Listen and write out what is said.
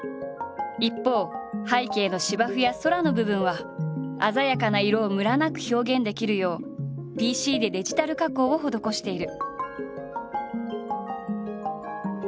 一方背景の芝生や空の部分は鮮やかな色をムラなく表現できるようＰＣでデジタル加工を施している。